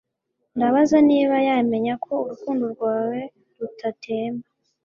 Ndabaza niba ya menya ko urukundo rwawe rutatemba